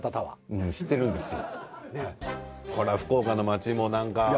うん知ってるんですよ。